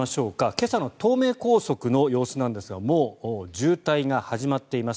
今朝の東名高速の様子なんですがもう渋滞が始まっています。